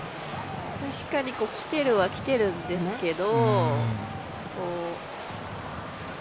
確かにきてるは、きてるんですけど。